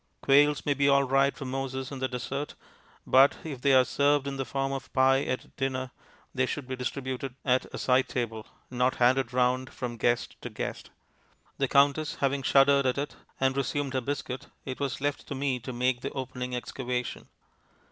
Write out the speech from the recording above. Quails may be all right for Moses in the desert, but, if they are served in the form of pie at dinner, they should be distributed at a side table, not handed round from guest to guest. The Countess having shuddered at it and resumed her biscuit, it was left to me to make the opening excavation.